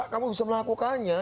kamu bisa melakukannya